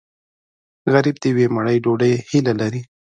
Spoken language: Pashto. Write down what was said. غریب د یوې مړۍ ډوډۍ هیله لري